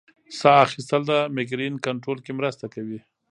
ساه اخیستل د مېګرین کنټرول کې مرسته کوي.